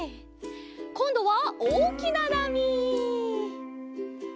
こんどはおおきななみ！